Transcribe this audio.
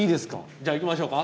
じゃあいきましょうか。